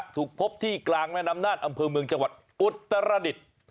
ถูกพบที่กลางแม่น้ำนานอำเภอเมืองจังหวัดอุตรดิษฐ์